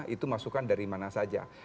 itu masukan dari mana saja